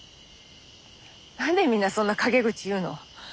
何でみんなそんな陰口言うの。